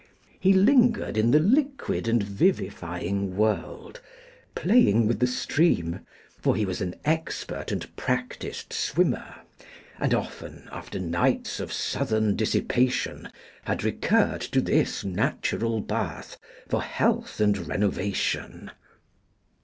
He lingered in the liquid and vivifying world, playing with the stream, for he was an expert and practised swimmer; and often, after nights of southern dissipation, had recurred to this natural bath for health and renovation.